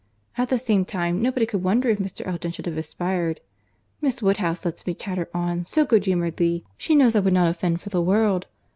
At the same time, nobody could wonder if Mr. Elton should have aspired—Miss Woodhouse lets me chatter on, so good humouredly. She knows I would not offend for the world.